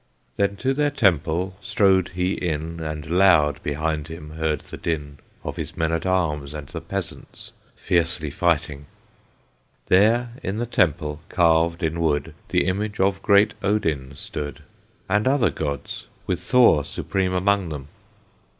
Then to their Temple strode he in, And loud behind him heard the din Of his men at arms and the peasants fiercely fighting. There in the Temple, carved in wood, The image of great Odin stood, And other gods, with Thor supreme among them.